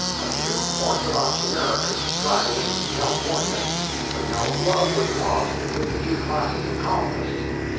A few orthodox Americans straggled in from California, but no love was lost between the two classes of colonists.